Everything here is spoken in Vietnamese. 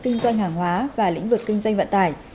kinh doanh hàng hóa và lĩnh vực kinh doanh vận tải